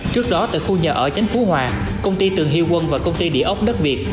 trước đó tại khu nhà ở chánh phú hòa công ty tường hy quân và công ty địa ốc đất việt